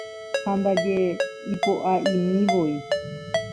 Ha ndaje ipoʼaʼimivoi.